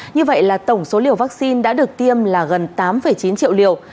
như vậy là tổng số liều vaccine đã được tiêm là gần tám chín triệu liều